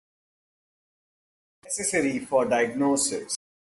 A biopsy is necessary for diagnosis.